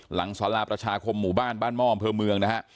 หลังสราบประชาคมหมู่บ้านบ้านม่อมเพิ่มเมือง